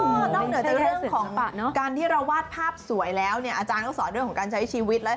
นอกเหนือจากเรื่องของการที่เราวาดภาพสวยแล้วเนี่ยอาจารย์ก็สอนเรื่องของการใช้ชีวิตแล้ว